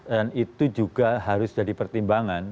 dan itu juga harus jadi pertimbangan